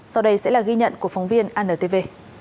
sau đây sẽ là ghi nhận của phóng viên antv